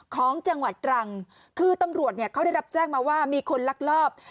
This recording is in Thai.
ของจังหวัดตรังคือตำรวจเนี่ยเขาได้รับแจ้งมาว่ามีคนลักลอบ